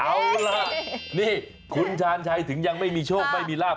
เอาล่ะนี่คุณชาญชัยถึงยังไม่มีโชคไม่มีลาบ